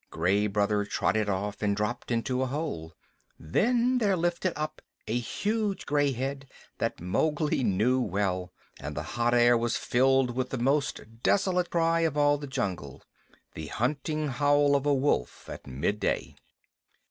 Gray Brother trotted off and dropped into a hole. Then there lifted up a huge gray head that Mowgli knew well, and the hot air was filled with the most desolate cry of all the jungle the hunting howl of a wolf at midday.